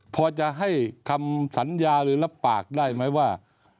พอจะให้คำสัญญาหรือรับปากได้ไหมว่า